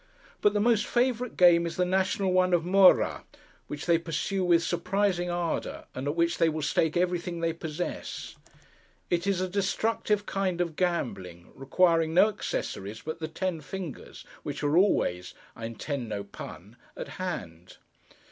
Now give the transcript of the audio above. But the most favourite game is the national one of Mora, which they pursue with surprising ardour, and at which they will stake everything they possess. It is a destructive kind of gambling, requiring no accessories but the ten fingers, which are always—I intend no pun—at hand.